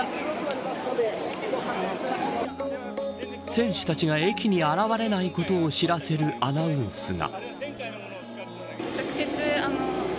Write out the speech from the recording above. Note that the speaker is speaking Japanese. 選手たちが駅に現れないことを知らせるアナウンスが。